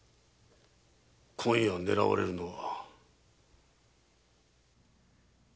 今夜狙われるのは。